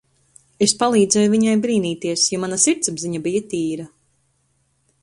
Es palīdzēju viņai brīnīties, jo mana sirdsapziņa bija tīra.